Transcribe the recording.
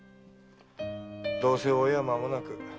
どうせお栄は間もなく。